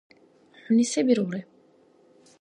ХӀуни се бирулри?!